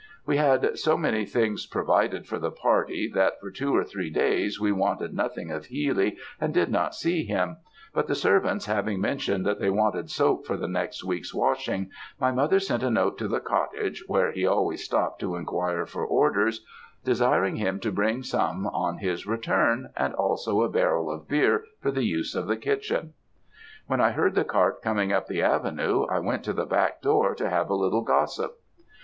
"We had so many things provided for the party, that for two or three days we wanted nothing of Healy and did not see him; but the servants having mentioned that they wanted soap for the next week's washing, my mother sent a note to the cottage, where he always stopt to enquire for orders, desiring him to bring some on his return, and also a barrel of beer for the use of the kitchen. "When I heard the cart coming up the avenue, I went to the back door, to have a little gossip.